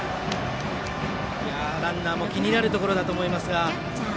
ランナーも気になるところだと思いますが。